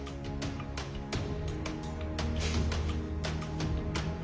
フッ。